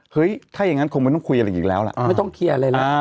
เฮ้ยถ้าอย่างงั้นคงไม่ต้องคุยอะไรอย่างงี้แล้วล่ะอ่าไม่ต้องเคลียร์อะไรแล้วอ่า